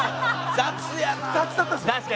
雑だったんですよ。